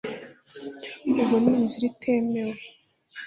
Ubu ni inzira itemewe